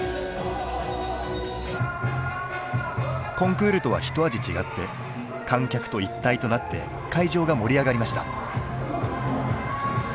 コンクールとは一味違って観客と一体となって会場が盛り上がりました。